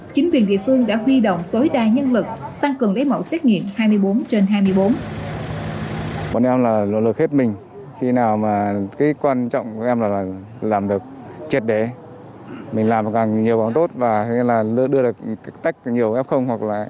chính quyền địa phương đã huy động tối đa nhân lực tăng cường lấy mẫu xét nghiệm hai mươi bốn trên hai mươi bốn